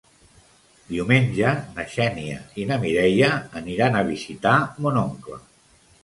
Diumenge na Xènia i na Mireia aniran a visitar mon oncle.